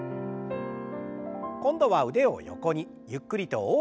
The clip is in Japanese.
今度は腕を横にゆっくりと大きく。